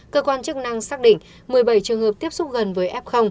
cơ quan chức năng xác định một mươi bảy trường hợp tiếp xúc gần với f